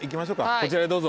こちらへどうぞ。